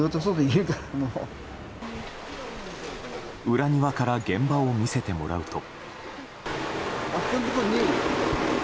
裏庭から現場を見せてもらうと。